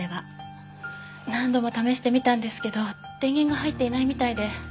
何度も試してみたんですけど電源が入っていないみたいで。